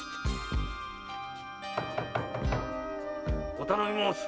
お頼み申す。